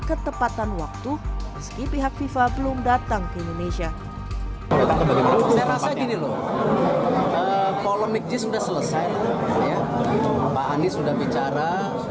ketepatan waktu meski pihak fifa belum datang ke indonesia saya rasa gini loh polemik jis sudah selesai ya pak anies sudah bicara